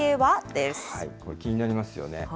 これ、気になりますよね。